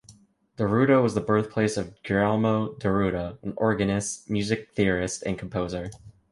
Deruta was the birthplace of Girolamo Diruta, an organist, music theorist, and composer.